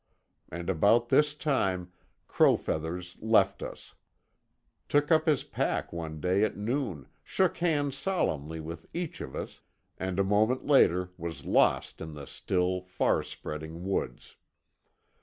And about this time Crow Feathers left us; took up his pack one day at noon, shook hands solemnly with each of us, and a moment later was lost in the still, far spreading woods.